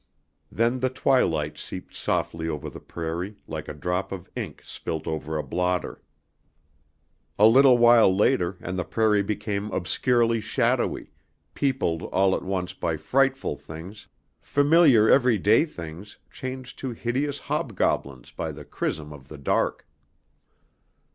Then the twilight seeped softly over the prairie, like a drop of ink spilt over a blotter. A little while later and the prairie became obscurely shadowy, peopled all at once by frightful things, familiar everyday things changed to hideous hobgoblins by the chrism of the dark.